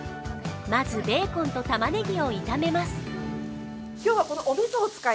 まずベーコンとたまねぎを炒めます。